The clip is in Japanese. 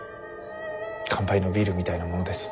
乾杯のビールみたいなものです。